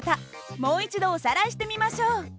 もう一度おさらいしてみましょう。